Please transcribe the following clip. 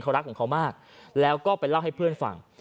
เขารักของเขามากแล้วก็ไปเล่าให้เพื่อนฟัง